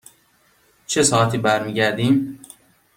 چه ساعتی برمی گردیم؟